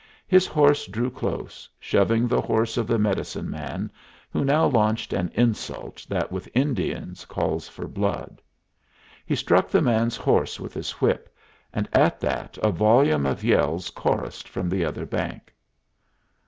His horse drew close, shoving the horse of the medicine man, who now launched an insult that with Indians calls for blood. He struck the man's horse with his whip, and at that a volume of yells chorussed from the other bank.